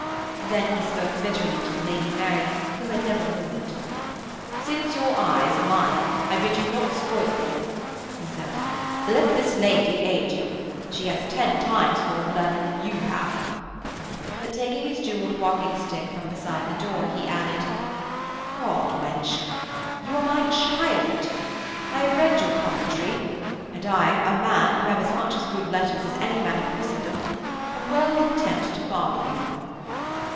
Then he spoke bitterly to the Lady Mary, who had never moved. 'Since your eyes are mine, I bid you not spoil them,' he said. 'Let this lady aid you. She has ten times more of learning than you have.' But, taking his jewelled walking stick from beside the door, he added, 'God, wench! you are my child. I have read your commentary, and I, a man who have as much of good letters as any man in Christendom, am well content to father you.'